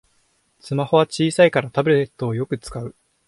スマホは小さいからタブレットをよく使う